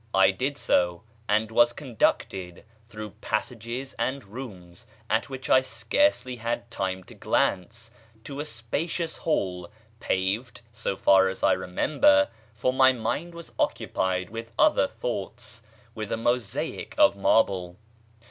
I did so, and was conducted through passages and rooms at which I scarcely had time to glance to a spacious hall, paved, so far as I remember (for my mind was occupied with other thoughts) with a mosaic of marble.